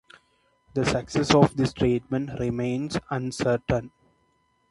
The success of this treatment remains uncertain.